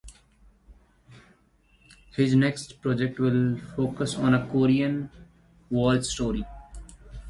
His next project will focus on a Korean War story.